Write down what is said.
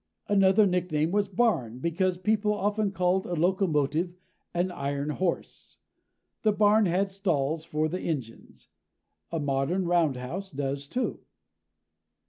Another nickname was barn, because people often called a locomotive an Iron Horse. The barn had stalls for the engines. A modern roundhouse does, too.